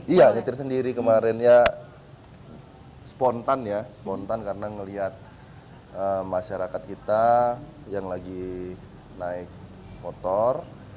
iya nyetir sendiri kemarin ya spontan ya spontan karena melihat masyarakat kita yang lagi naik motor